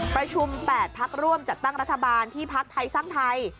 ประชุม๘พักร่วมจัดตั้งรัฐบาลที่พักไทยสร้างไทย